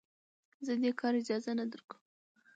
زه دې کار اجازه نه درکوم.